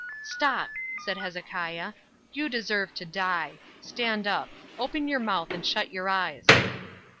"Stop!" said Hezekiah, "you deserve to die. Stand up. Open your mouth and shut your eyes."